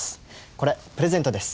これプレゼントです。